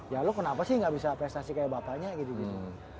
ya lo kenapa sih gak bisa prestasi kayak bapaknya gitu gitu